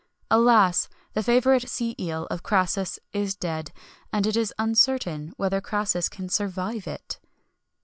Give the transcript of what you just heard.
Alas! the favourite sea eel of Crassus is dead, and it is uncertain whether Crassus can survive it!